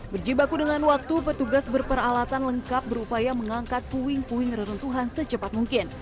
berjibaku dengan waktu petugas berperalatan lengkap berupaya mengangkat puing puing reruntuhan secepat mungkin